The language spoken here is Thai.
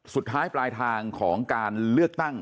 สุดท้ายปลายทางของการเลือกตั้ง